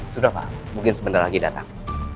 sudah pak mungkin sebentar lagi datang